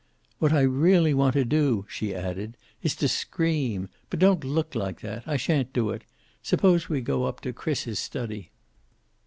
"What I really want to do," she added, "is to scream. But don't look like that. I shan't do it. Suppose we go up to Chris's study."